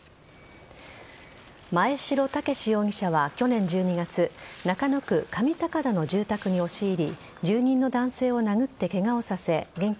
真栄城健容疑者は去年１２月中野区上高田の住宅に押し入り住人の男性を殴ってケガをさせ現金